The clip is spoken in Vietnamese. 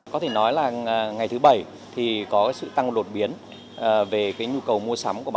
có thể nói là ngày thứ bảy thì có sự tăng lột biến về cái nhu cầu mua sắm của bà